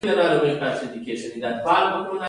دوی په خپلو وسایلو تولید کاوه.